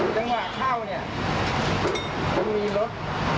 แล้วก็จังหวะเข้าเนี้ยจะมีรถ